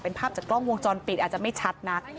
เป็นภาพจากกล้องวงจรปิดอาจจะไม่ชัดนัก